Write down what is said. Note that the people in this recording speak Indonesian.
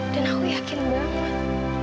dan aku yakin banget